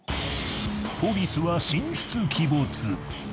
［ポリスは神出鬼没］